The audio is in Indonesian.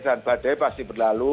dan badai pasti berlalu